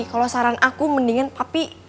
kalo saran aku mendingan papi